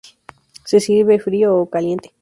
Se sirve frío o caliente.